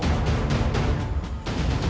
dan berhasil membawanya pergi